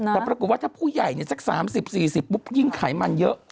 แต่ปรากฏว่าถ้าผู้ใหญ่สัก๓๐๔๐ปุ๊บยิ่งไขมันเยอะ